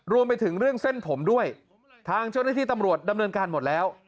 รวมไปถึงเรื่องเส้นผมด้วยทางเจ้าหน้าที่ตำรวจดำเนินการหมดแล้ว